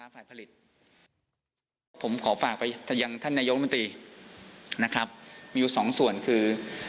ฝ่ายผลิตผมขอฝากไปยังท่านนายกมนตรีนะครับมีอยู่สองส่วนคือ